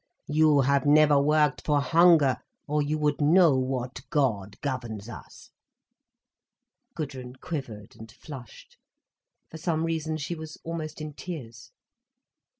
You have never worked for hunger, or you would know what god governs us." Gudrun quivered and flushed. For some reason she was almost in tears.